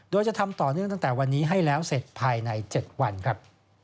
โดยจะทำต่อเนื่องตั้งแต่วันนี้ให้แล้วเสร็จภายใน๗วันครับ